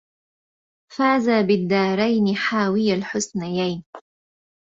فاز بالدارين حاوي الحسنيين